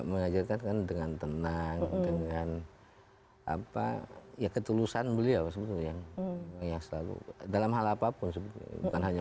mengajarkan dengan tenang dengan apa ya ketulusan beliau yang selalu dalam hal apapun sebutnya